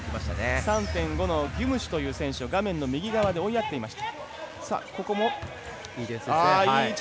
３．５のギュムシュという選手を画面右側に追いやっていました。